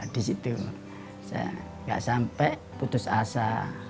di situ saya tidak sampai putus asa